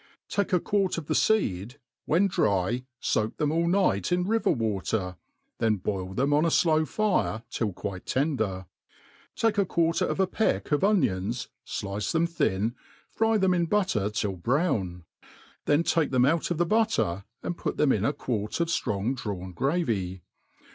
TAKE a 4iiart of the feed, when dry, foak them all night in river water, then boil them on a flow fire till quite tender ; take a quarter of a peck of onions, (lice them thin, fry them in butter till brown ; then take them out of the hu&er, and put ^em in a qu^rt of ftrong drawn gravy.